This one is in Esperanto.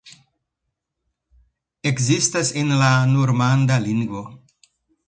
Ekzistas en la normanda lingvo.